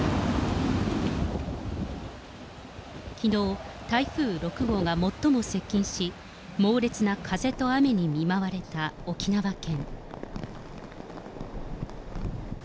きのう、台風６号が最も接近し、猛烈な風と雨に見舞われた沖縄県。